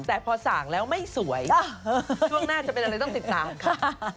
แต่พอส่างแล้วไม่สวยช่วงหน้าจะเป็นอะไรต้องติดตามค่ะ